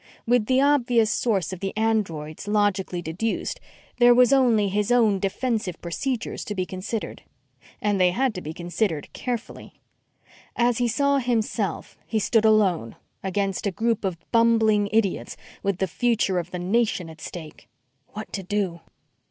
With the obvious source of the androids logically deduced, there was only his own defensive procedures to be considered. And they had to be considered carefully. As he saw himself, he stood alone, against a group of bumbling idiots, with the future of the nation at stake. What to do?